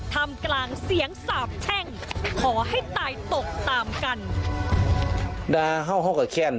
ทำกลางเสียงสาบแช่งขอให้ตายตกตามกัน